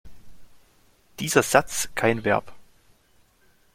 Dieser Satz kein Verb.